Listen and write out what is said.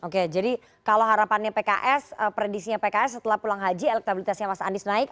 oke jadi kalau harapannya pks predisinya pks setelah pulang haji elektabilitasnya mas anies naik